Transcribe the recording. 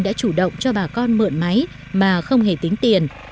vì thế anh đã chủ động cho bà con mượn máy mà không hề tính tiền